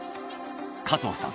加藤さん